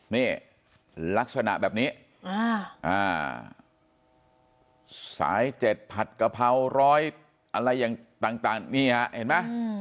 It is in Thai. นี่ลักษณะแบบนี้สาย๗ผัดกะเพราร้อยอะไรอย่างต่างนี่ฮะเห็นไหม